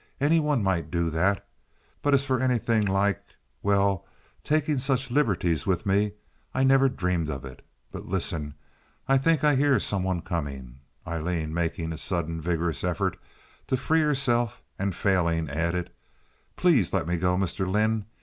Any one might do that. But as for anything like—well—taking such liberties with me—I never dreamed of it. But listen. I think I hear some one coming." Aileen, making a sudden vigorous effort to free herself and failing, added: "Please let me go, Mr. Lynde.